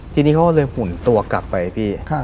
ทีนี้เขาก็เลยหุ่นตัวกลับไปพี่